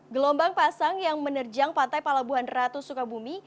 gelombang pasang yang menerjang pantai palabuhan ratu sukabumi